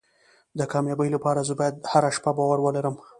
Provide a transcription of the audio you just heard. د کامیابۍ لپاره زه باید هره شپه باور ولرم.